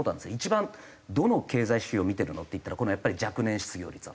一番どの経済指標見てるの？っていったらやっぱり若年失業率だと。